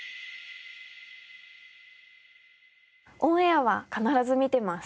オンエアは必ず見てます。